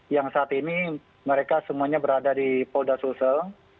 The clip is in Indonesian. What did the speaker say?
yang saat ini mereka semuanya berada di polda sulsel